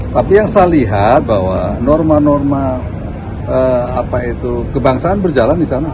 tapi yang saya lihat bahwa norma norma kebangsaan berjalan di sana